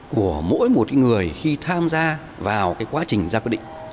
của mỗi một người khi tham gia vào cái quá trình giam quy định